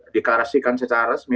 deklarasikan secara resmi